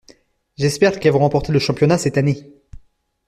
J'espère qu'elles vont remporter le championnat cette année.